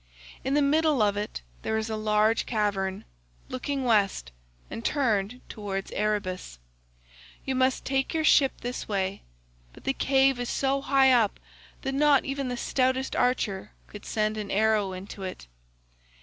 In the middle of it there is a large cavern, looking West and turned towards Erebus; you must take your ship this way, but the cave is so high up that not even the stoutest archer could send an arrow into it.